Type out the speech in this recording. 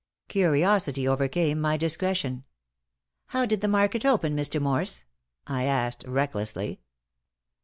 Curiosity overcame my discretion. "How did the market open, Mr. Morse?" I asked, recklessly.